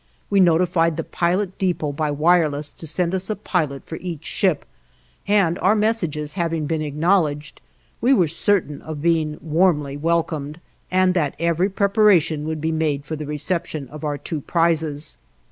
We notified the Pilot Depot by wireless to send us a pilot for each ship, and our messages having been acknowledged we were certain of being warmly welcomed, and that every preparation would be made for the reception of our two prizes.